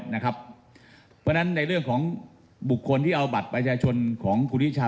เพราะฉะนั้นในเรื่องของบุคคลที่เอาบัตรประชาชนของคุณทิชา